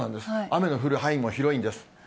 雨の降る範囲も広いんです。